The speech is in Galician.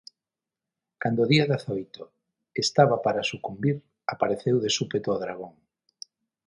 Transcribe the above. Cando o día dezaoito estaba para sucumbir, apareceu de súpeto o dragón.